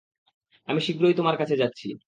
আমি শীঘ্রই তোমার কাছে যাচ্ছি।